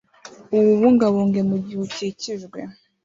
uwubungabunge mugihe ukikijwe